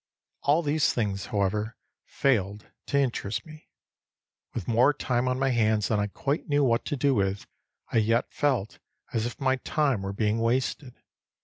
All these things, however, failed to interest me. With more time on my hands than I quite knew what to do with, I yet felt as if my time were being wasted.